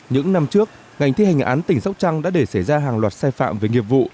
những năm trước ngành thi hành án tỉnh sóc trăng đã để xảy ra hàng loạt sai phạm về nghiệp vụ